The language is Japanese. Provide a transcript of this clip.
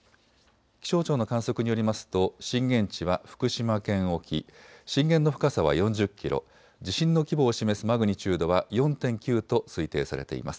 気象庁の観測によりますと震源地は福島県沖、震源の深さは４０キロ、地震の規模を示すマグニチュードは４．９と推定されています。